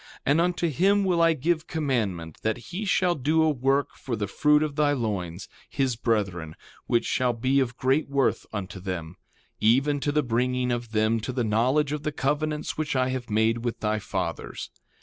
And unto him will I give commandment that he shall do a work for the fruit of thy loins, his brethren, which shall be of great worth unto them, even to the bringing of them to the knowledge of the covenants which I have made with thy fathers.